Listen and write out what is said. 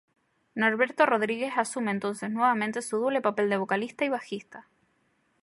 Norberto Rodríguez asume entonces nuevamente su doble papel de vocalista y bajista.